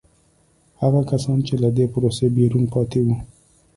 هغه کسان چې له دې پروسې بیرون پاتې وو.